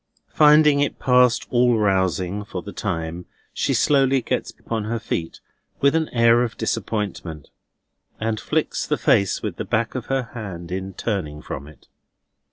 Finding it past all rousing for the time, she slowly gets upon her feet, with an air of disappointment, and flicks the face with the back of her hand in turning from it.